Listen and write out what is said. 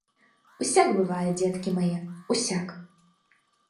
Усяк бывае, дзеткі мае, усяк!